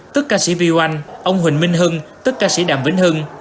tức ca sĩ vy oanh ông huỳnh minh hưng tức ca sĩ đàm vĩnh hưng